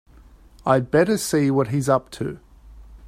I'd better see what he's up to.